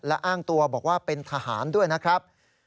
และอ้างตัวบอกว่าเป็นทหารด้วยนะครับ